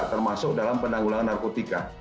termasuk dalam penanggulangan narkotika